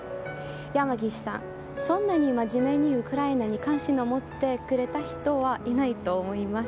山岸さん、そんなに真面目にウクライナに関心を持ってくれた人はいないと思います。